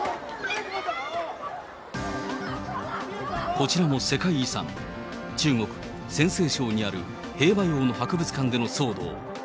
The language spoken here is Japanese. こちらも世界遺産、中国・陝西省にある兵馬俑の博物館での騒動。